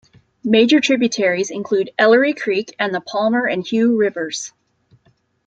Major tributaries include Ellery Creek, and the Palmer and Hugh Rivers.